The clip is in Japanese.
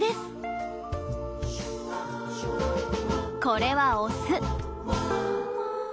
これはオス。